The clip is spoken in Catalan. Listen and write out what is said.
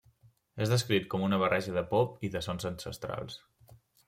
És descrit com una barreja de pop i de sons ancestrals.